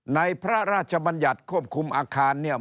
พระราชบัญญัติควบคุมอาคารเนี่ย